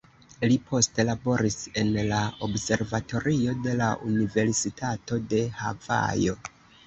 Li poste laboris en la observatorio de la Universitato de Havajo.